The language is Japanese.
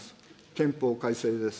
憲法改正です。